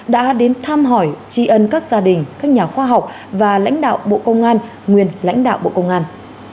đã đến thăm hỏi tri ân các gia đình các nhà khoa học và lãnh đạo bộ công an nguyên lãnh đạo bộ công an